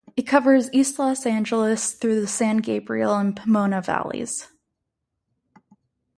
It covers East Los Angeles through the San Gabriel and Pomona valleys.